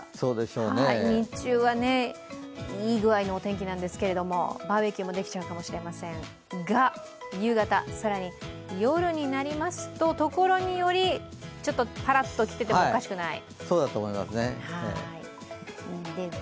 日中はいい具合のお天気なんですけれどもバーベキューもできちゃうかもしれませんが、夕方、更に、夜になりますとところによりちょっとパラッと来ててもおかしくない。